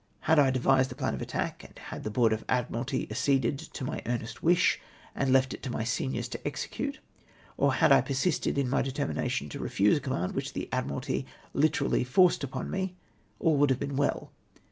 Had I devised the plan of attack, and had the Board of Ad miralty acceded to my earnest wish, and left it to my seniors to execnte, or had I persisted in my determi nation to refuse a command which the Admiralty literaUy forced upon me, aU would have been well.